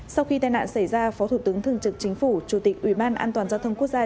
sau khi tai nạn xảy ra phó thủ tướng thường trực chính phủ chủ tịch ủy ban an toàn giao thông quốc gia